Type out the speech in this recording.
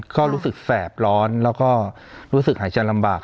ก็รู้สึกแสบร้อนแล้วก็รู้สึกหายใจลำบาก